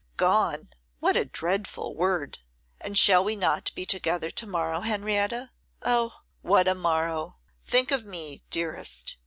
'Gone! what a dreadful word! And shall we not be together to morrow, Henrietta? Oh! what a morrow! Think of me, dearest.